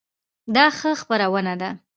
دا ښه خپرونه ده؟